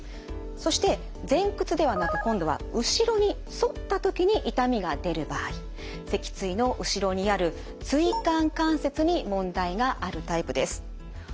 そして前屈ではなく今度は後ろに反った時に痛みが出る場合脊椎の後ろにある椎間関節に問題があるタイプです。